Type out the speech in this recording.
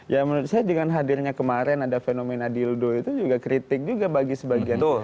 ya menurut saya dengan hadirnya kemarin ada fenomena dildo itu juga kritik juga bagi sebagian orang